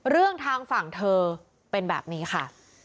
เรื่องทางฝั่งเธอเป็นแบบนี้ค่ะ